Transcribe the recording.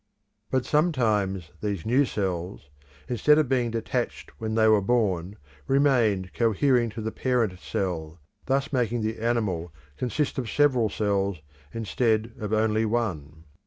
But sometimes these new cells, instead of being detached when they were born, remained cohering to the parent cell, thus making the animal consist of several cells instead of only one.